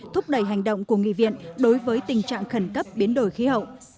thúc đẩy hành động của nghị viện đối với tình trạng khẩn cấp biến đổi khí hậu